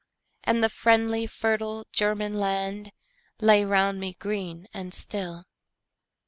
And the friendly fertile German land Lay round me green and still.